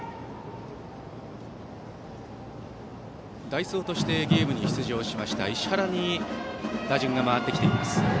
代走としてゲームに出場しました石原に打順が回ってきています。